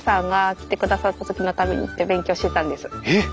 えっ！